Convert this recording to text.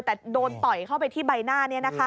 แต่โดนต่อยเข้าไปที่ใบหน้าเนี่ยนะคะ